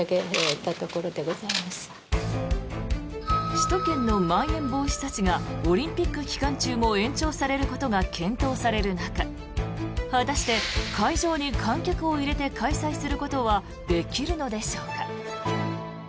首都圏のまん延防止措置がオリンピック期間中も延長されることが検討される中果たして会場に観客を入れて開催することはできるのでしょうか。